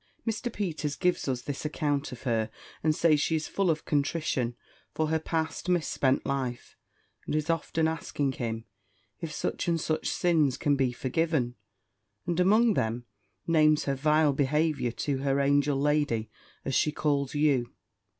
"Mr. Peters gives us this account of her, and says she is full of contrition for her past mis spent life, and is often asking him, if such and such sins can be forgiven? and among them, names her vile behaviour to her angel lady, as she calls you.